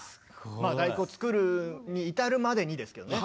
「第９」をつくるに至るまでにですけどね。